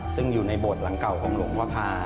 ซึ่งอยู่ในโบสถ์หลังเก่าของหลวงพ่อทา